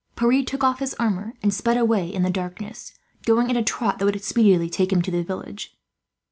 Pierre took off his armour and sped away in the darkness, going at a trot that would speedily take him to the village.